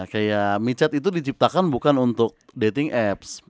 kayak mechat itu diciptakan bukan untuk dating apps